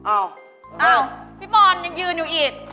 อ้าวอ้าวพี่บอลยังยืนอยู่อีก